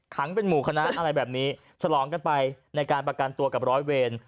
เป็นหมู่คณะอะไรแบบนี้ฉลองกันไปในการประกันตัวกับร้อยเวร